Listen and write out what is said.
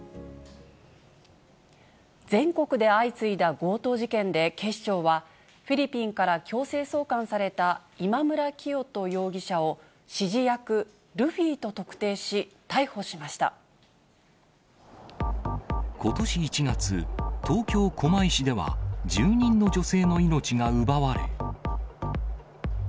全国で相次いだ強盗事件で警視庁は、フィリピンから強制送還された今村磨人容疑者を、指示役、ルフィことし１月、東京・狛江市では住人の女性の命が奪われ。